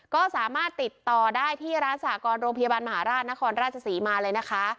ก็สามารถติดต่อได้ที่ร้านสากรโรงพยาบาลมหาราชนครราชศรีมาเลยนะคะ